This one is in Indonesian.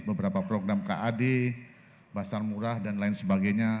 beberapa program kad pasar murah dan lain sebagainya